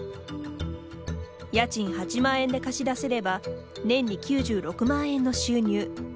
家賃８万円で貸し出せれば年に９６万円の収入。